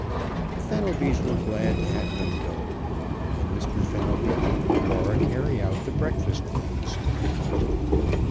The Fenelbys were glad to have them go, and Mr. Fenelby helped Laura carry out the breakfast things.